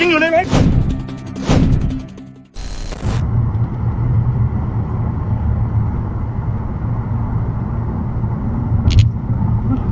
ซักทีนะครับ